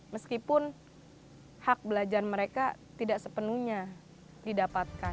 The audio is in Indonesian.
meskipun hak belajar mereka tidak sepenuhnya didapatkan